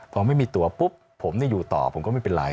พอไม่มีตัวปุ๊บผมอยู่ต่อผมก็ไม่เป็นไร